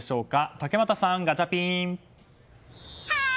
竹俣さん、ガチャピン。